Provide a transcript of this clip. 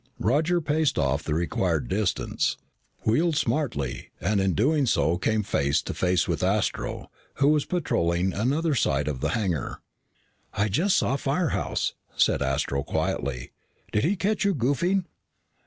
Roger paced off the required distance, wheeled smartly, and in so doing came face to face with Astro, who was patrolling another side of the hangar. "I just saw Firehouse," said Astro quietly. "Did he catch you goofing?"